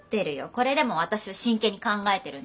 これでも私は真剣に考えてるんです。